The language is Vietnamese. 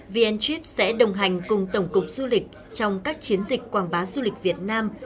vn trip sẽ đồng hành cùng tổng cục du lịch trong các chiến dịch quảng bá du lịch việt nam